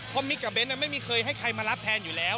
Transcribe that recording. เพราะมิกกับเน้นไม่มีใครให้ใครมารับแทนอยู่แล้ว